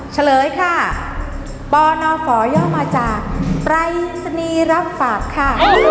เฉลยค่ะปนฝย่อมาจากปรายศนีย์รับฝากค่ะ